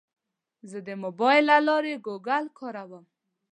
زه د موبایل له لارې ګوګل کاروم.